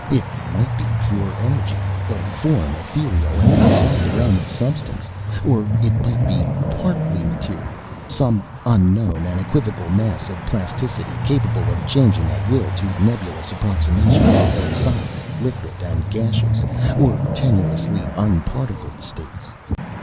It might be pure energy a form ethereal and outside the realm of substance or it might be partly material; some unknown and equivocal mass of plasticity, capable of changing at will to nebulous approximations of the solid, liquid, gaseous, or tenuously unparticled states.